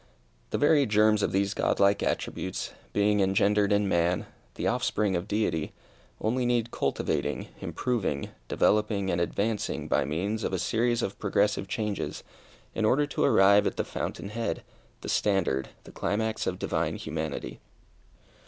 The very germs of these Godlike attributes, being engendered in man, the offspring of Deity, only need cultivating, improving, developing, and advancing by means of a series of progressive changes, in order to arrive at the fountain "Head," the standard, the climax of Divine Humanity.